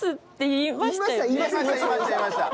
言いました